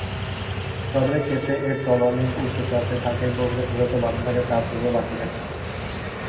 হ্রদের ক্ষেত্রে এর তল অনেক উচ্চ চাপে থাকে; গভীরতা যত বাড়তে থাকে চাপ তত বাড়তে থাকে।